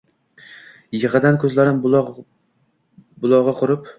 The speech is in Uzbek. Yig‘idan ko‘zlarim bulog‘i qurib